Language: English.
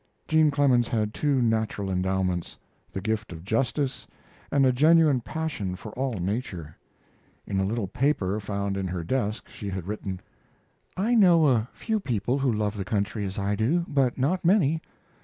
Jean Clemens had two natural endowments: the gift of justice and a genuine passion for all nature. In a little paper found in her desk she had written: I know a few people who love the country as I do, but not many.